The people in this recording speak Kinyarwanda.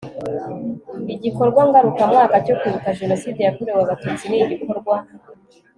Igikorwa ngarukamwaka cyo kwibuka Jenoside yakorewe Abatutsi ni igikorwa